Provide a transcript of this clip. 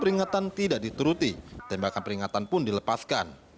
peringatan tidak dituruti tembakan peringatan pun dilepaskan